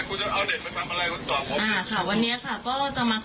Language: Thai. ขอรับเด็กเข้าภูมิฟองสวัสดีภาพอ่ะค่ะงามศาลบอลภูมิฟองเด็กอ่ะค่ะ